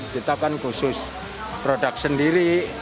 kita kan khusus produk sendiri